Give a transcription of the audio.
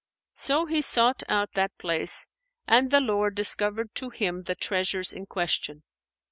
So he sought out that place, and the Lord discovered to him the treasures in question.